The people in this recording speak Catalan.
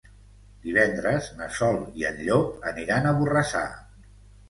Divendres na Sol i en Llop aniran a Borrassà.